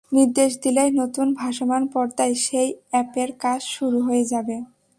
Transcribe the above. নির্দেশ দিলেই নতুন ভাসমান পর্দায় সেই অ্যাপের কাজ শুরু হয়ে যাবে।